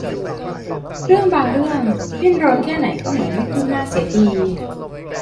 เรื่องบางเรื่องดิ้นรนแค่ไหนก็เหมือนไม่คืบหน้าเสียที